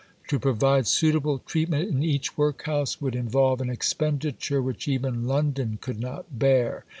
To provide suitable treatment in each Workhouse would involve an expenditure which even London could not bear.